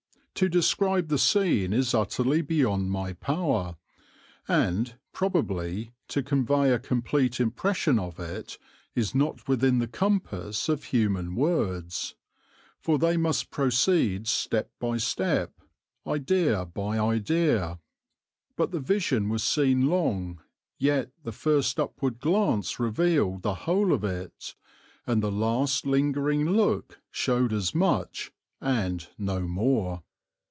To describe the scene is utterly beyond my power, and, probably, to convey a complete impression of it is not within the compass of human words; for they must proceed step by step, idea by idea; but the vision was seen long, yet the first upward glance revealed the whole of it, and the last lingering look showed as much, and no more.